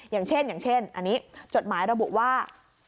อย่างเช่นอันนี้จดหมายระบุว่า